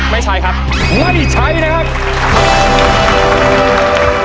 ไม่ใช้ไม่ใช้ไม่ใช้ไม่ใช้ไม่ใช้ไม่ใช้ไม่ใช้ไม่ใช้